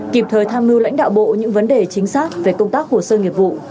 kịp thời tham mưu lãnh đạo bộ những vấn đề chính xác về công tác hồ sơ nghiệp vụ